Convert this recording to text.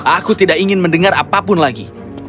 aku tidak ingin mendengar apapun lagi